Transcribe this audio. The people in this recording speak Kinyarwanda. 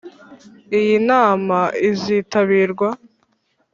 Iyi nama izitabirwa.